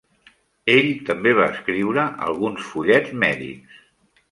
Ell també va escriure alguns fullets mèdics.